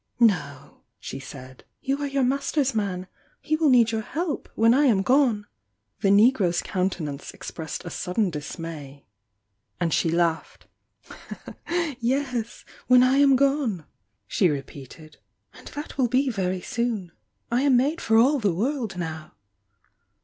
"No," she said— "You are your master's man. He will need your help— when I am gone!" The negro's countenance expre^ed a sudden dis may — and she laughed. "Yes— when I am gone!" she repeated, "and that will be very soon ! I am made for all the world now!"